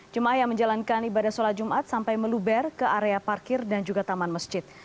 jemaah yang menjalankan ibadah sholat jumat sampai meluber ke area parkir dan juga taman masjid